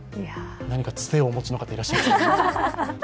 何か、つてをお持ちの方いらっしゃいますか？